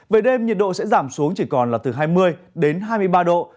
về đêm nhiệt độ sẽ giảm xuống chỉ còn là từ hai mươi đến hai mươi ba độ